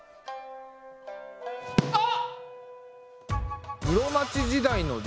あっ！